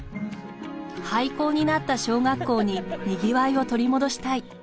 廃校になった小学校ににぎわいを取り戻したい。